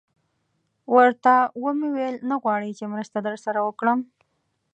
ورته ومې ویل: نه غواړئ چې مرسته در سره وکړم؟